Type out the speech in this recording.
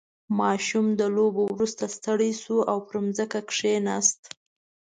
• ماشوم د لوبو وروسته ستړی شو او پر ځمکه کښېناست.